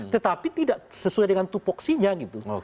tetapi tidak sesuai dengan tupoksinya gitu